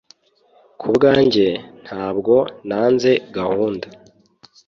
ku bwanjye, ntabwo nanze gahunda